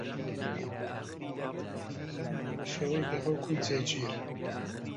تیمەکانمان بە شێوەی گەڕۆک و جێگیر